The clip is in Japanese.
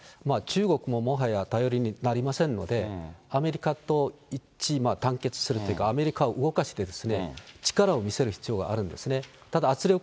中国ももはや頼りになりませんので、アメリカと一致団結するっていうか、アメリカを動かしてですね、力を見せる必要があるんですね。